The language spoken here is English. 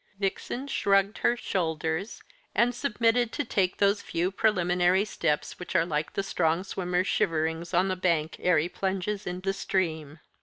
Vixen shrugged her shoulders, and submitted to take those few preliminary steps which are like the strong swimmer's shiverings on the bank ere he plunges in the stream.